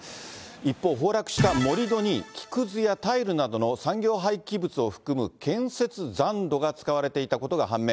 一方、崩落した盛り土に木くずやタイルなどの、産業廃棄物を含む建設残土が使われていたことが判明。